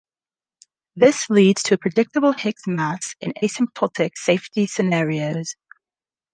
This leads to a predictable Higgs mass in asymptotic safety scenarios.